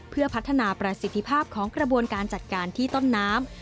เพื่อพัฒนาประสิทธิภาพของกระบวนการจัดการที่ต้นน้ำ